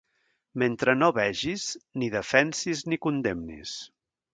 Mentre no vegis, ni defensis ni condemnis.